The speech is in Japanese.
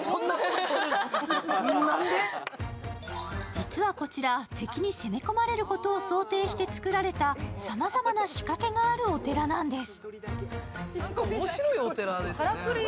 実はこちら敵に攻め込まれることを想定して作られたさまざまな仕掛けがあるお寺なんです。